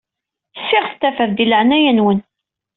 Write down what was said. Ssiɣt tafat di laɛnaya-nwen.